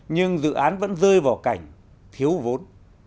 nhưng dự án vẫn rơi vào cảnh thiếu vốn